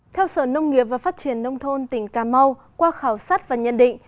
theo sở nông nghiệp và phát triển nông thôn tỉnh cà mau qua khảo sát và nhận định